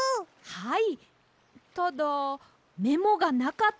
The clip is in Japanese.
はい。